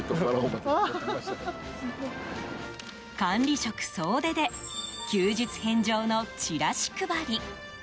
管理職総出で休日返上のチラシ配り。